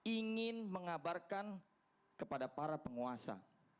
ingin mengabarkan kepada para penguasa